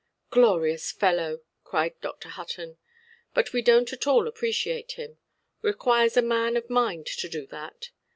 "Glorious fellow"! cried Dr. Hutton. "But we donʼt at all appreciate him. Requires a man of mind to do that.